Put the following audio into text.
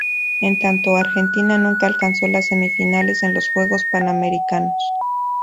En tanto, Argentina nunca alcanzó las semifinales en los Juegos Panamericanos.